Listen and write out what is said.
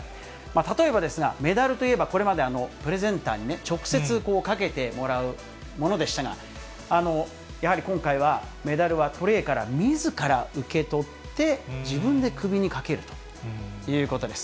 例えばですが、メダルといえば、これまで、プレゼンターに直接かけてもらうものでしたが、やはり今回は、メダルはトレーからみずから受け取って、自分で首にかけるということです。